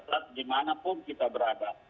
ketat dimanapun kita berada